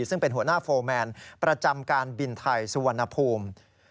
ซึ่งเป็นหัวหน้าโฟร์แมนประจำการบินไทยสุวรรณภูมิ